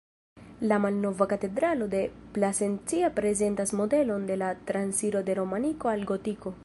La Malnova Katedralo de Plasencia prezentas modelon de la transiro de romaniko al gotiko.